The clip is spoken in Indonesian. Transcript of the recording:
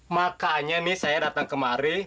makanya nih saya datang kemari